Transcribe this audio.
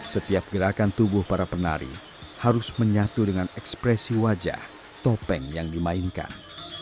setiap gerakan tubuh para penari harus menyatu dengan ekspresi wajah topeng yang dimainkan